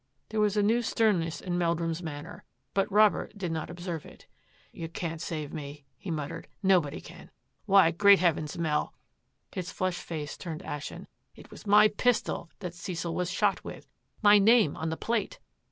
There was a new sternness in Meldrum's manner, but Robert did not observe it. " You can't save me," he muttered, " nobody can. Why, great Heavens, Mel," his flushed face turning ashen, " it was my pistol that Cecil was shot with — my name on the plate."